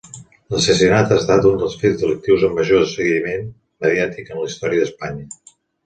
L'assassinat ha estat un dels fets delictius amb major seguiment mediàtic en la història d'Espanya.